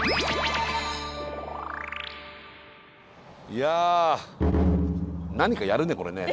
いや何かやるねこれね。